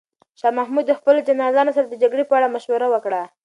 شاه محمود د خپلو جنرالانو سره د جګړې په اړه مشوره وکړه.